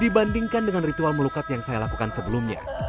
dibandingkan dengan ritual melukat yang saya lakukan sebelumnya